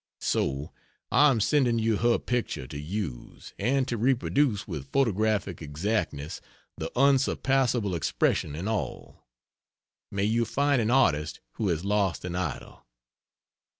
So I am sending you her picture to use and to reproduce with photographic exactness the unsurpassable expression and all. May you find an artist who has lost an idol!